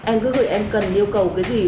em cứ gửi em cần yêu cầu cái gì